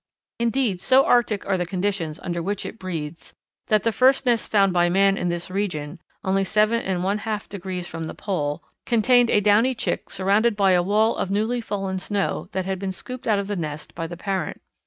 Indeed, so arctic are the conditions under which it breeds that the first nest found by man in this region, only seven and one half degrees from the pole, contained a downy chick surrounded by a wall of newly fallen snow that had been scooped out of the nest by the parent.